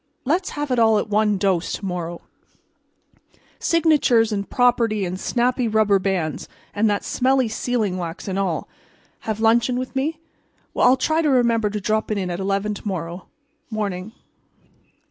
Let's have it all at one dose to morrow—signatures and property and snappy rubber bands and that smelly sealing wax and all. Have luncheon with me? Well, I'll try to remember to drop in at eleven to morrow. Morning."